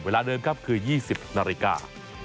เวลาเดิมครับคือ๒๐นาฬิกา